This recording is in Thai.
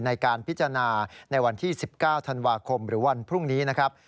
ในการพิจารณาในวันที่๑๙ธันวาคมหรือวันพรุ่งนี้นะครับ